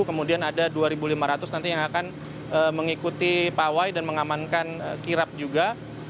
kemudian ada dua lima ratus nanti yang akan mengikuti pawai dan mengamankan kirap juga